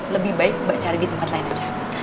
lebih baik mbak cari di tempat lain aja